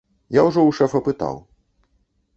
Я ўжо ў шэфа пытаў.